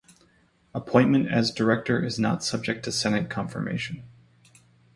Appointment as director is not subject to Senate confirmation.